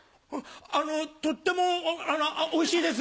あのとってもおいしいです！